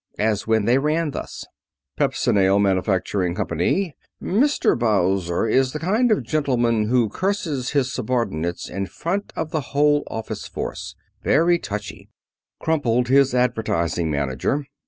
As when they ran thus: Pepsinale Manufacturing Company: Mr. Bowser is the kind of gentleman who curses his subordinates in front of the whole office force. Very touchy. Crumpled his advertising manager.